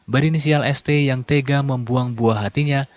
berinisial st yang tega membuang buah hatinya